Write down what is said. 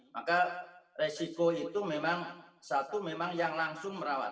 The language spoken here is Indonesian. maka resiko itu memang satu memang yang langsung merawat